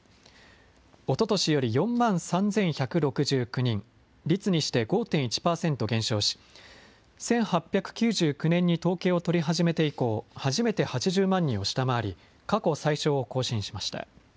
おととしより４万３１６９人、率にして５．１％減少し、１８９９年に統計を取り始めて以降、初めて８０万人を下回り、過去最少を更新しました。